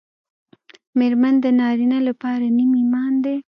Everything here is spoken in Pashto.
مېرمن د نارینه لپاره نیم ایمان دی